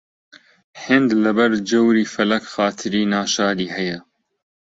هێند لەبەر جەوری فەلەک خاتری ناشادی هەیە